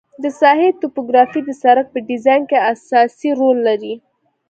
د ساحې توپوګرافي د سرک په ډیزاین کې اساسي رول لري